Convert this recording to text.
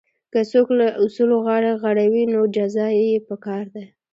که څوک له اصولو غاړه غړوي نو جزا یې پکار ده.